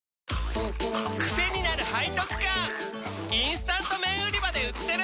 チキンかじり虫インスタント麺売り場で売ってる！